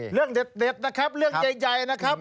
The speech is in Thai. เรื่องเด็ดนะครับเรื่องใหญ่นะครับ